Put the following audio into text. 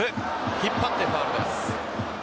引っ張ってファウルです。